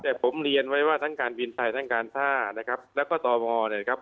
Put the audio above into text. แต่ผมเรียนไว้ว่าทั้งการบินไทยทั้งการท่านะครับแล้วก็ต่อมอเนี่ยนะครับ